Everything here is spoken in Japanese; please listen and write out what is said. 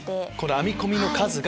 編み込みの数が。